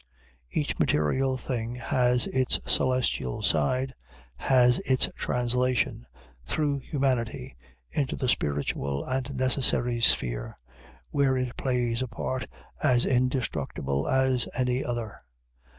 Each material thing has its celestial side; has its translation, through humanity, into the spiritual and necessary sphere, where it plays a part as indestructible as any other.